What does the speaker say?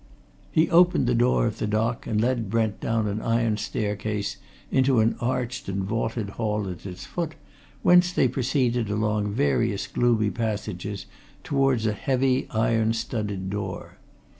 He opened the door of the dock and led Brent down an iron staircase into an arched and vaulted hall at its foot, whence they proceeded along various gloomy passages towards a heavy, iron studded door.